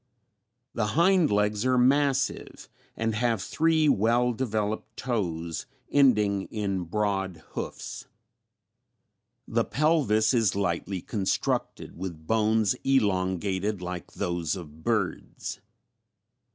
"The hind legs are massive and have three well developed toes ending in broad hoofs. The pelvis is lightly constructed with bones elongated like those of birds.